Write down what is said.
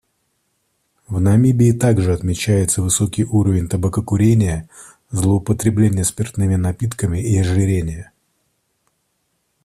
В Намибии также отмечается высокий уровень табакокурения, злоупотребления спиртными напитками и ожирения.